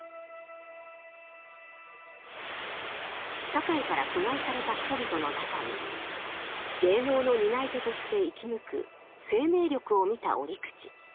社会から疎外された人々の中に芸能の担い手として生き抜く生命力を見た折口。